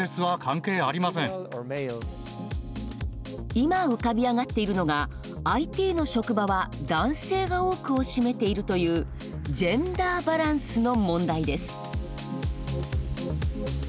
いま浮かび上がっているのがＩＴの職場は男性が多くを占めているというジェンダーバランスの問題です。